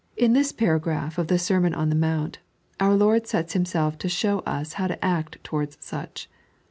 In this paragraph of the Sermon on the Mount, our Lord sets Himself to show us how to act towards such.